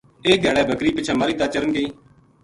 ایک دھیاڑے بکری پِچھاں ماہلی دا چرن گئی